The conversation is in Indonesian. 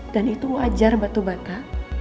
dan itu wajar batu bata